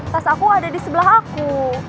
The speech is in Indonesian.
pas aku ada di sebelah aku